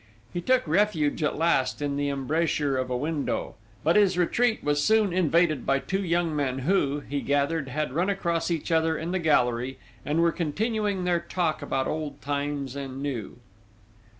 He took refuge at last in the embrasure of a window; but his retreat was soon invaded by two young men who, he gathered, had run across each other in the gallery, and were continuing their talk about old times and new.